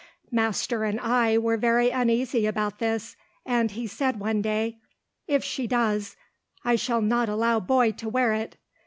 Master and I were very uneasy about this, and he said one day, "If she does, I shall not allow Boy to wear it.